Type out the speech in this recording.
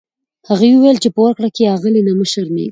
هغه وویل په ورکړه کې یې له اغلې نه مه شرمیږه.